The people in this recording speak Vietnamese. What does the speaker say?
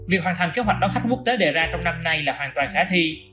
việc hoàn thành kế hoạch đón khách quốc tế đề ra trong năm nay là hoàn toàn khả thi